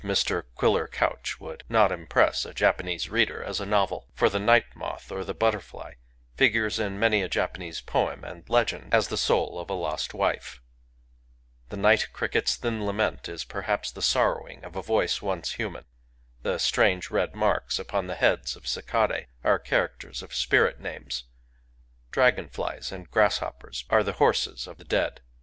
sd Hungry Ghosts. Digitized by Googk GAKI 185 "The White Moth" of Mr. Quiller Couch would not impress a Japanese reader as novel ; for the night moth or the butterfly figures in many a Japangse_poem and legend as „the soul of a lost ^fe. The night cricket's thin lament is perhaps the sorrowing of a voice once human ;— the strange red marks upon the heads of cicadae are characters of spirit names ;— dragon flies and grasshoppers are the horses of the dead.